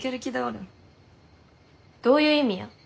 どういう意味や？